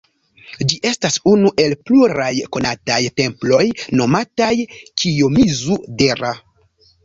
Ĝi estas unu el pluraj konataj temploj nomataj Kijomizu-dera.